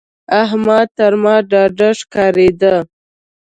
احمد تر ما ډاډه ښکارېده.